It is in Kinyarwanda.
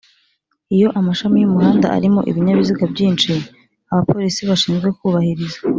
Iyo amashami y umuhanda alimo ibinyabiziga byinshi abapolisi bashinzwe kubahiriza